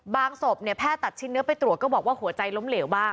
ศพเนี่ยแพทย์ตัดชิ้นเนื้อไปตรวจก็บอกว่าหัวใจล้มเหลวบ้าง